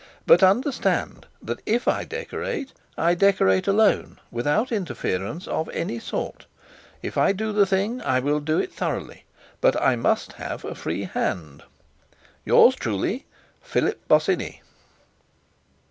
"But understand that, if I decorate, I decorate alone, without interference of any sort. "If I do the thing, I will do it thoroughly, but I must have a free hand. "Yours truly, "PHILIP BOSINNEY."